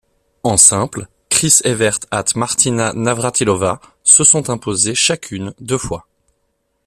En simple, Chris Evert at Martina Navrátilová se sont imposées chacune deux fois.